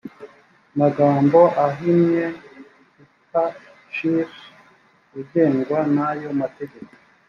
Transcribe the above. magambo ahinnye iphcr ugengwa n aya mategeko